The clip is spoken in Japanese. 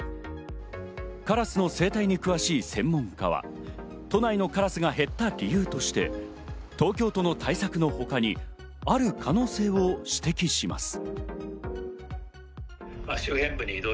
カラスの生態に詳しい専門家は、都内のカラスが減った理由として東京都の対策のほかにある可能性を指摘します。